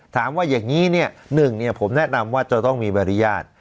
ถามว่าอย่างนี้เนี่ยหนึ่งผมแนะนำว่าจะต้องมีใบอนุญาต